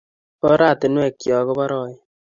oratinwekchok kobaraen